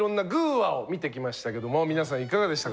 話」を見てきましたけども皆さんいかがでしたか？